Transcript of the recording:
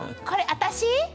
これ私？